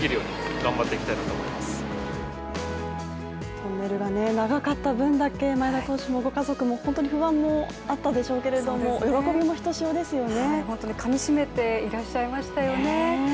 トンネルが長かった分だけ、前田投手もご家族も本当に不安もあったでしょうけれども、喜びもひとしおですよね。